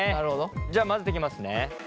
じゃあ混ぜていきますね。